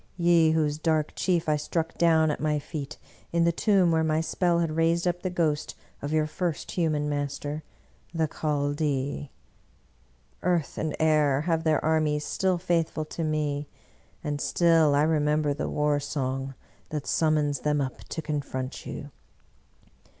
— ^ye whose dark chief I struck down at my feet in the tomb where my spell had raised up the ghost of your first human master, the Chaldee ! Earth and air have their armies still faithful to me, and still I remember the war song that summons them up to confront you!